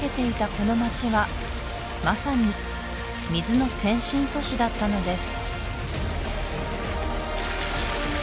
この街はまさに水の先進都市だったのです